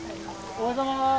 おはようございます！